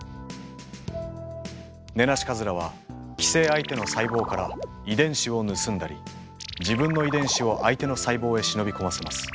ネナシカズラは寄生相手の細胞から遺伝子を盗んだり自分の遺伝子を相手の細胞へ忍び込ませます。